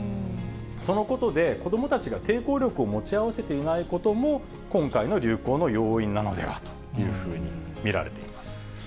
そのことで、子どもたちが抵抗力を持ち合わせていないことも、今回の流行の要因なのではというふうに見られています。